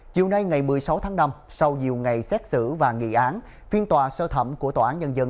chiều nay ngày một mươi sáu tháng năm sau nhiều ngày xét xử và nghị án phiên tòa sơ thẩm của tòa án nhân dân